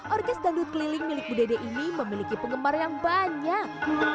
orkes dangdut keliling milik bu dede ini memiliki penggemar yang banyak